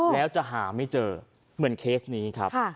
แล้วจะหาไม่เจอเหมือนเคสนี้ครับ